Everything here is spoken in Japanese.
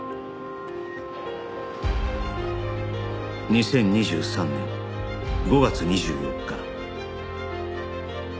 ２０２３年５月２４日